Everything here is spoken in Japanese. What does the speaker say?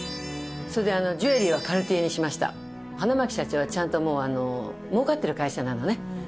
それでジュエリーはカルティエにしました花巻社長はちゃんともうあのもうかってる会社なのね